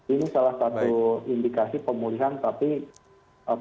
ini salah satu indikasi pemulihan tapi pemulihan nya juga tidak secepat